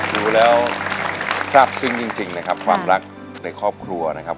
ดูแล้วทราบซึ้งจริงนะครับความรักในครอบครัวนะครับ